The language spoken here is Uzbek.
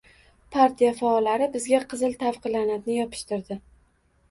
Partiya faollari bizga qizil «tavqi la’natni» yopishtirdi